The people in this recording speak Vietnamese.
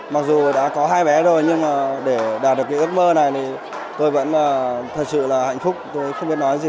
mặc dù đã có hai bé rồi nhưng mà để đạt được cái ước mơ này thì tôi vẫn thật sự là hạnh phúc tôi không biết nói gì